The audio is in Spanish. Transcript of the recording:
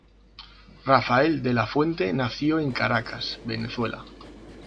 Rafael de la Fuente nació en Caracas, Venezuela.